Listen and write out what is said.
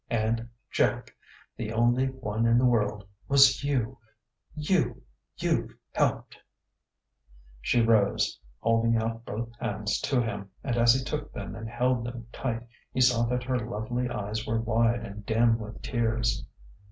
And Jack the only one in the world was you.... You you've helped." She rose, holding out both hands to him, and as he took them and held them tight he saw that her lovely eyes were wide and dim with tears.